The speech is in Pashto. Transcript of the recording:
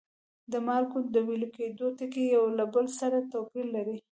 د مالګو د ویلي کیدو ټکي یو له بل سره توپیر لري.